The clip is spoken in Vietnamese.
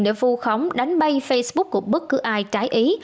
để vu khống đánh bay facebook của bất cứ ai trái ý